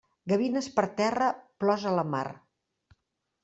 Gavines per terra, plors a la mar.